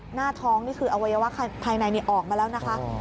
หน้าท้องนี่คืออวัยวะภายในออกมาแล้วนะคะ